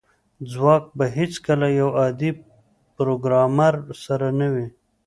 ځواک به هیڅکله د یو عادي پروګرامر سره نه وي